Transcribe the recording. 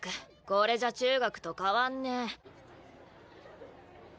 これじゃ中学と変わんね。